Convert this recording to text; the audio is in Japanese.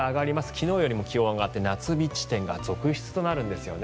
昨日よりも上がって夏日地点が続出となるんです。